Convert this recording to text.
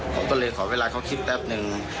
ผมก็เลยขอเวลาเขาคิดแป๊บนึง